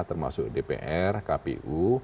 termasuk dpr kpu